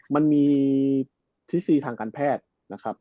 มันมีทิศซีทางการแพทย์นะครับ